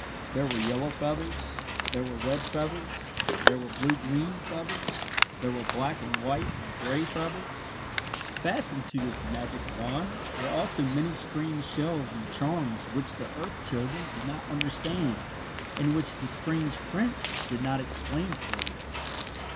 There were yellow feathers. There were red feathers. There were blue green feathers. There were black and white and gray feathers. Fastened to this magic wand were also many strange shells and charms which the earth children did not understand and which the strange prince did not explain fully.